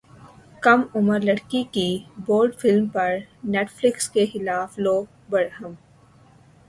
کم عمر لڑکی کی بولڈ فلم پر نیٹ فلیکس کے خلاف لوگ برہم